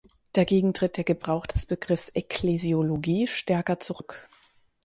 Dagegen tritt der Gebrauch des Begriffs Ekklesiologie stärker zurück.